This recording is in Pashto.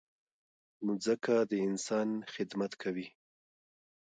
مځکه د انسان خدمت کوي.